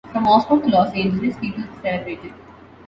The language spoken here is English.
From Moscow to Los Angeles, people celebrated.